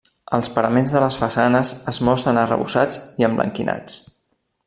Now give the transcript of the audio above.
Els paraments de les façanes es mostren arrebossats i emblanquinats.